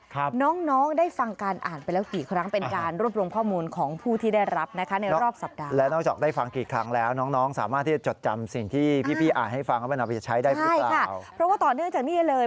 ใช่ค่ะเพราะว่าต่อเนื่องจากนี้เลย